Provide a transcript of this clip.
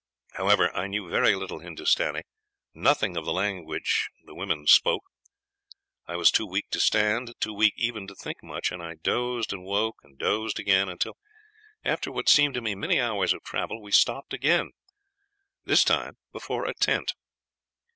However, I knew very little Hindustani, nothing of the language the women spoke. I was too weak to stand, too weak even to think much; and I dozed and woke, and dozed again until, after what seemed to me many hours of travel, we stopped again, this time before a tent.